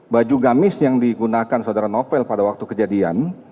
baju gamis yang digunakan saudara novel pada waktu kejadian